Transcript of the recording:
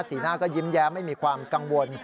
หน้าก็ยิ้มแย้มไม่มีความกังวล